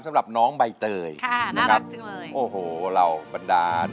สำหรับน้องใบเตยค่ะน่ารักจริงเลยโอ้โหเราบรรดา